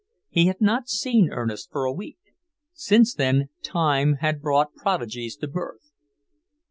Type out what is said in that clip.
He had not seen Ernest for a week: since then Time had brought prodigies to birth.